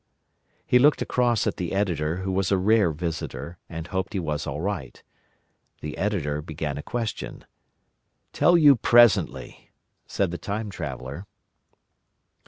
He looked across at the Editor, who was a rare visitor, and hoped he was all right. The Editor began a question. "Tell you presently," said the Time Traveller.